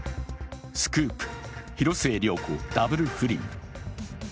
スクープ広末涼子ダブル